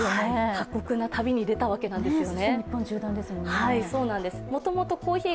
過酷な旅に出たわけなんですよね。